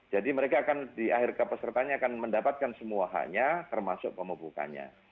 jadi mereka akan di akhir periode akan mendapatkan semua hanya termasuk pemupukannya